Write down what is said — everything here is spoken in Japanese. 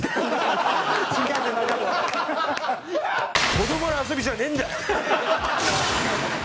「子どもの遊びじゃねえんだよ」。